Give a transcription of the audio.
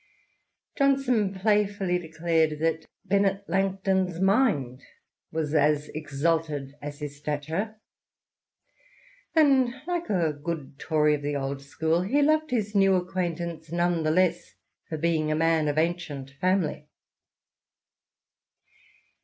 Johnson . playfully declared that Bennet Langton's mind was as exalted as his stature ; and, like a good Tory of the old school, he loved his new acquaintance none the less for being a man of ancient family.